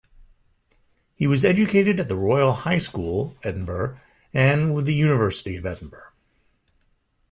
He was educated at the Royal High School, Edinburgh, and the University of Edinburgh.